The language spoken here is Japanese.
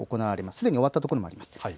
すでに終わったところもあります。